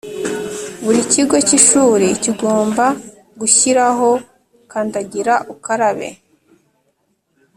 Buri kigo cy ishuri kigomba gushyiraho kandagira ukarabe.